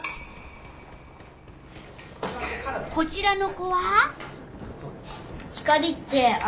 こちらの子は？